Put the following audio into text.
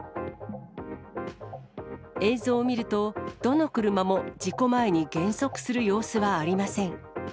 映像を見ると、どの車も事故前に減速する様子はありません。